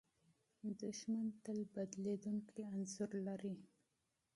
دښمن تل بدلېدونکی انځور لري.